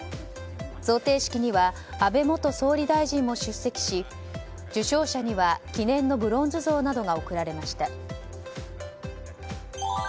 贈呈式には安倍元総理大臣も出席し受賞者には記念のブロンズ像などが贈られました。